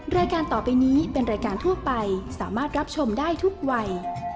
รายการต่อไปนี้เป็นรายการทั่วไปสามารถรับชมได้ทุกวัย